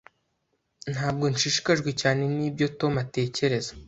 Ntabwo nshishikajwe cyane nibyo Tom atekereza.